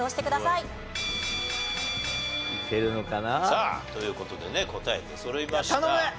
さあという事でね答え出そろいました。